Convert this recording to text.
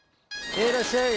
へいらっしゃい！